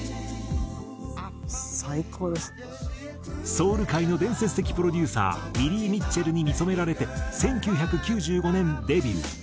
ソウル界の伝説的プロデューサーウィリー・ミッチェルに見初められて１９９５年デビュー。